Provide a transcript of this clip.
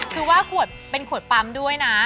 ชื่อว่าเป็นขวดปั๊มด้วยนะคะ